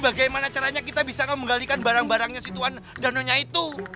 bagaimana caranya kita bisa menggalikan barang barangnya si tuhan danonya itu